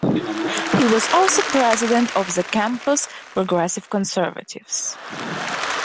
He was also president of the campus Progressive Conservatives.